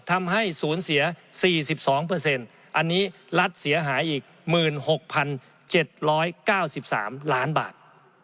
ทำให้สูญเสีย๔๒อันนี้รัฐเสียหายอีก๑๖๗๙๓ล้านบาท